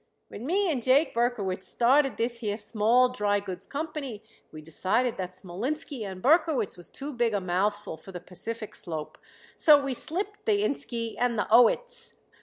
When me and Jake Berkowitz started this here Small Drygoods Company we decided that Smolinski and Berkowitz was too big a mouthful for the Pacific Slope, so we slipped the 'inski' and the 'owitz.'